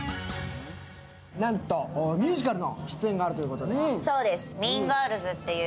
なんとミュージカルの出演があるということで。